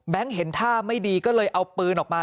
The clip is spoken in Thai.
เห็นท่าไม่ดีก็เลยเอาปืนออกมา